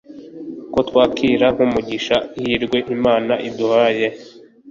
ko twakira nk'umugisha ihirwe imana iduhaye